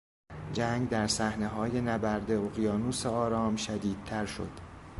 جنگ در صحنههای نبرد اقیانوس آرام شدیدتر شد.